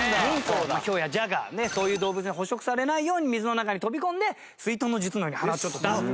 ヒョウやジャガーそういう動物に捕食されないように水の中に飛び込んで水遁の術のように鼻ちょっと出すと。